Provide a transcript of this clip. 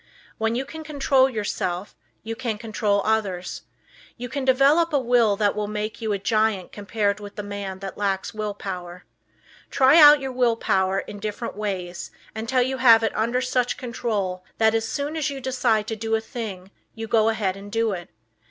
When you can control yourself you can control others. You can develop a Will that will make you a giant compared with the man that lacks Will Power. Try out your Will Power in different ways until you have it under such control that just as soon as you decide to do a thing you go ahead and do it.